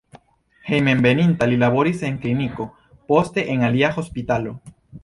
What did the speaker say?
Hejmenveninta li laboris en kliniko, poste en alia hospitalo.